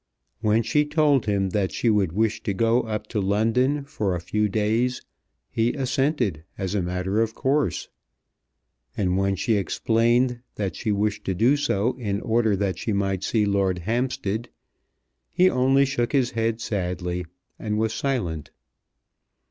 When she told him that she would wish to go up to London for a few days, he assented as a matter of course. And when she explained that she wished to do so in order that she might see Lord Hampstead, he only shook his head sadly, and was silent.